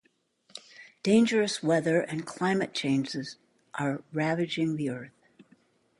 Dangerous weather and climate changes are ravaging the Earth.